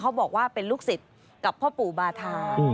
บอกว่าเป็นลูกศิษย์กับพ่อปู่บาธา